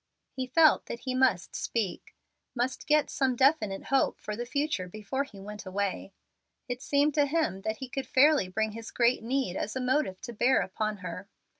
He felt that he must speak must get some definite hope for the future before he went away. It seemed to him that he could fairly bring his great need as a motive to bear upon her.